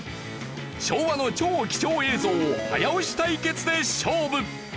昭和の超貴重映像を早押し対決で勝負。